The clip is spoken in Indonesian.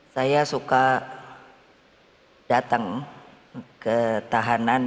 saya suka datang ke tahanan